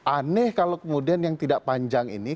aneh kalau kemudian yang tidak panjang ini